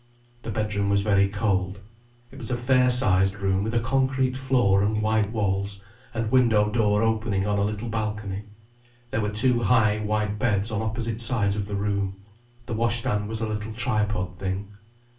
The bedroom was very cold. It was a fair sized room with a concrete floor and white walls, and window door opening on a little balcony. There were two high white beds on opposite sides of the room. The wash stand was a little tripod thing.